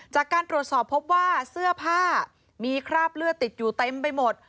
จากการตรวจสอบพบว่าเสื้อผ้ามีคราบเลือดติดอยู่เต็มไปหมด